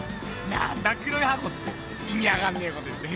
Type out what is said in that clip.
なんだ黒い箱って意味わかんねえこと言って。